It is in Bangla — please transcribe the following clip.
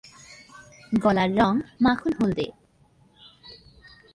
গলার রং মাখন হলদে।